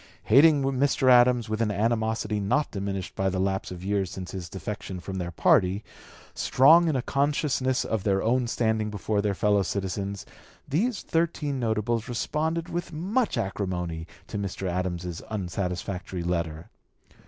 Hating Mr. Adams with an animosity not diminished by the lapse of years since his defection from their party, strong in a consciousness of their own standing before their fellow citizens, the thirteen notables responded with much acrimony to Mr. Adams's unsatisfactory letter.